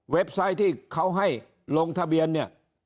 ไซต์ที่เขาให้ลงทะเบียนเนี่ย